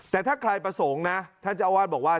แต่ถ้าใครประสงค์นะท่านเจ้าอาวาสบอกว่า